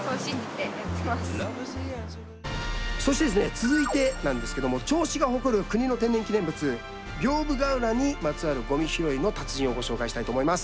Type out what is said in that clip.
続いて銚子が誇る国の天然記念物屏風ヶ浦にまつわるごみ拾いの達人をご紹介したいと思います。